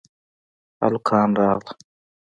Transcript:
هلکان راغل